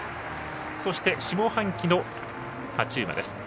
そして下半期の勝ち馬です。